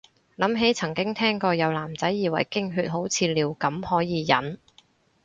諗起曾經聽過有男仔以為經血好似尿咁可以忍